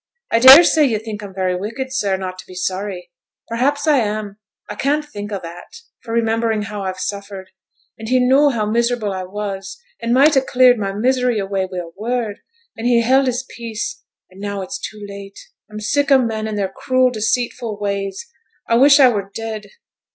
'I dare say you think I'm very wicked, sir, not to be sorry. Perhaps I am. I can't think o' that for remembering how I've suffered; and he knew how miserable I was, and might ha' cleared my misery away wi' a word; and he held his peace, and now it's too late! I'm sick o' men and their cruel, deceitful ways. I wish I were dead.'